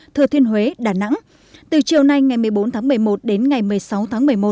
thừa thiên huế đà nẵng từ chiều nay ngày một mươi bốn tháng một mươi một đến ngày một mươi sáu tháng một mươi một